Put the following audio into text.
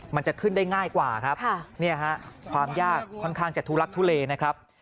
มันจะขึ้นได้ง่ายกว่าครับเนี่ยฮะความยากค่อนข้างจะทุลักทุเลนะครับ